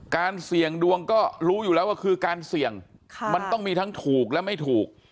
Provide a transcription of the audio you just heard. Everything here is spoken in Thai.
เสี่ยงดวงก็รู้อยู่แล้วว่าคือการเสี่ยงมันต้องมีทั้งถูกและไม่ถูก